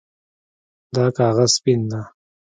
دا کاغذ سپین ده